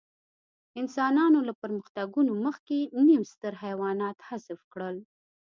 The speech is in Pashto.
انسانانو له پرمختګونو مخکې نیم ستر حیوانات حذف کړل.